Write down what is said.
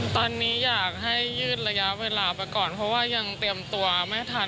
ตอนนี้อยากให้ยืดระยะเวลาไปก่อนเพราะว่ายังเตรียมตัวไม่ทัน